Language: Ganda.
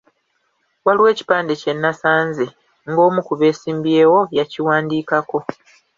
Waliwo ekipande kye nasanze nga omu ku beesimbyewo yakiwandiikako.